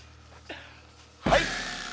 はい！